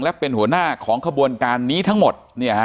และเป็นหัวหน้าของขบวนการนี้ทั้งหมด